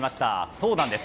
そうなんです。